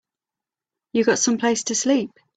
You got someplace to sleep?